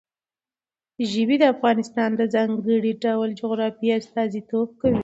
ژبې د افغانستان د ځانګړي ډول جغرافیه استازیتوب کوي.